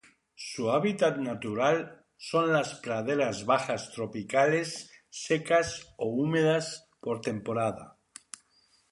Su hábitat natural son las praderas bajas tropicales secas o húmedas por temporada.